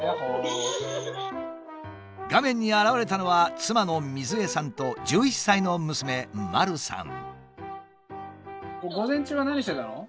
画面に現れたのは妻の瑞枝さんと１１歳の娘まるさん。